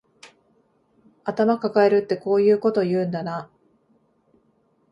頭かかえるってこういうこと言うんだな